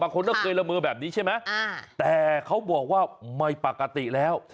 คนก็เคยละเมอแบบนี้ใช่ไหมแต่เขาบอกว่าไม่ปกติแล้ว